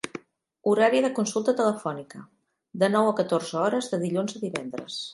Horari de consulta telefònica: de nou a catorze hores de dilluns a divendres.